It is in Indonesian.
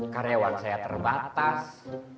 karyawan saya terbatas